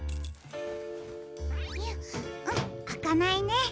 うんあかないね。